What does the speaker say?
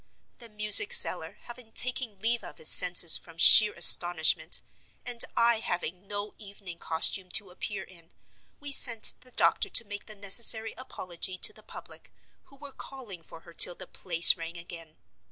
The music seller having taken leave of his senses from sheer astonishment, and I having no evening costume to appear in, we sent the doctor to make the necessary apology to the public, who were calling for her till the place rang again.